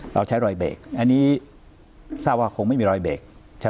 เราใช้รอยเบรกอันนี้ทราบว่าคงไม่มีรอยเบรก